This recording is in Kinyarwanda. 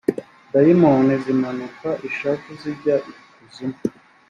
dayimoni zimanukana ishavu zijya ikuzimu